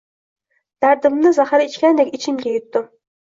Dardimni zahar ichgandek, ichimga yutdim.